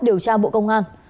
điều tra bộ công an